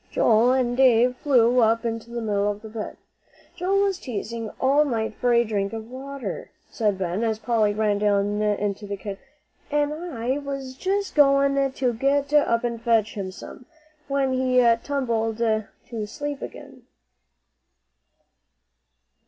Joel and David flew up into the middle of the bed. "Joe was teasing all night for a drink of water," said Ben, as Polly ran down into the kitchen. "An' I was just going to get up and fetch him some, when he tumbled to sleep again."